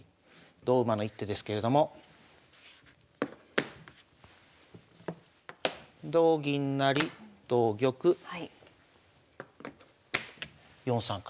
同馬の一手ですけれども同銀成同玉４三角。